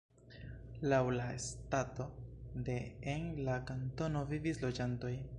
Laŭ la stato de en la kantono vivis loĝantoj.